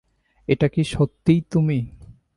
এটা কি সত্যিই তুমি?